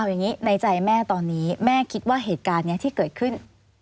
อย่างนี้ในใจแม่ตอนนี้แม่คิดว่าเหตุการณ์นี้ที่เกิดขึ้น